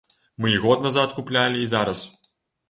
Мы і год назад куплялі, і зараз.